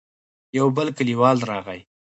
يو بل کليوال راغی.